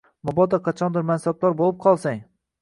Mabodo qachondir mansabdor bo’lib qolsang